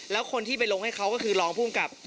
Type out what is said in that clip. แล้วคนที่ไปลงให้เขาก็คือรองภูมิกับ